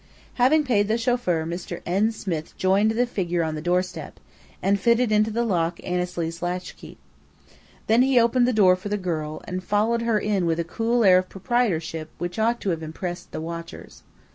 Having paid the chauffeur, Mr. N. Smith joined the figure on the doorstep, and fitted into the lock Annesley's latchkey. Then he opened the door for the girl, and followed her in with a cool air of proprietorship which ought to have impressed the watchers.